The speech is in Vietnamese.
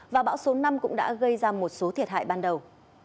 và bão số năm cũng đã gây ra một số thiệt hại ban đầu